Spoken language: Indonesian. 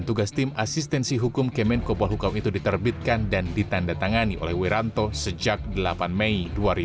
tim asistensi hukum kemenko pelhukam itu diterbitkan dan ditanda tangani oleh wiranto sejak delapan mei dua ribu sembilan belas